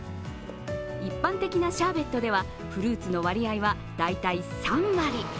一般的なシャーベットでは、フルーツの割合は大体３割。